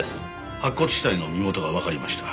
白骨死体の身元がわかりました。